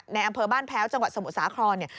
อำเภอบ้านแพ้วจังหวัดสมุทรสาครเนี่ย